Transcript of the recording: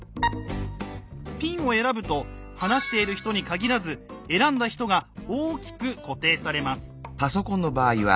「ピン」を選ぶと話している人に限らず選んだ人が大きく固定されます。